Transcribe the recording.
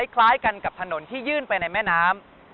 คล้ายกันกับถนนที่ยื่นไปในแม่น้ำ